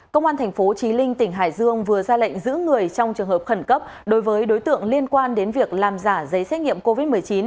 công an tp trí linh tỉnh hải dương vừa ra lệnh giữ người trong trường hợp khẩn cấp đối với đối tượng liên quan đến việc làm giả giấy xét nghiệm covid một mươi chín